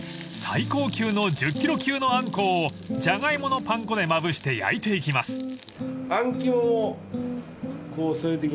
［最高級の１０ｋｇ級のアンコウをジャガイモのパン粉でまぶして焼いていきます］